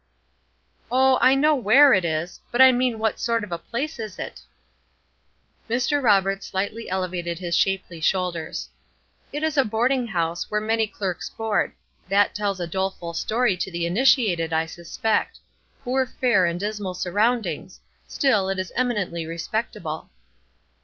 "Oh, I know where it is; but I mean what sort of a place is it?" Mr. Roberts slightly elevated his shapely shoulders. "It is a boarding house, where many clerks board; that tells a doleful story to the initiated, I suspect. Poor fare and dismal surroundings; still, it is eminently respectable."